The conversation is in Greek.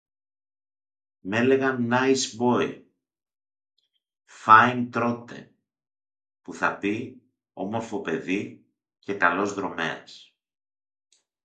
Μ' έλεγαν «νάις μπόι» «φάιν τρότε» που θα πει, «όμορφο παιδί» και «καλός δρομέας».